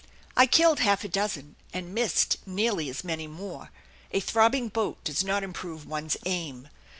I killed half a dozen, and missed nearly as many more a throbbing boat does not improve one's aim.